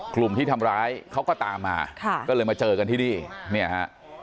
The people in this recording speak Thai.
กลุ่มที่ทำร้ายเขาก็ตามมาค่ะก็เลยมาเจอกันที่นี่เนี่ยฮะ